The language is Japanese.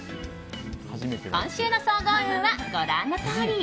今週の総合運はご覧のとおり。